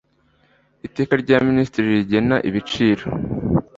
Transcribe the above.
iteka rya minisitiri rigena ibiciro